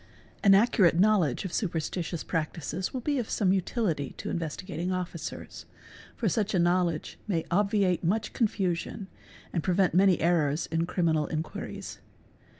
_ An accurate knowledge of superstitious practices will be of some utility to Investigating Officer's ©, for such a knowledge may obviate much confusion and prevent many errors in criminal inquiries.